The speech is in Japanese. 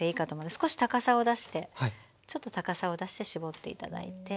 少し高さを出してちょっと高さを出して絞って頂いて。